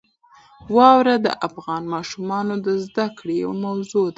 واوره د افغان ماشومانو د زده کړې یوه موضوع ده.